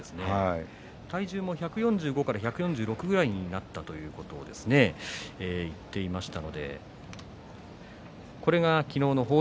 体重も１４５から１４６ぐらいになったと言っていました。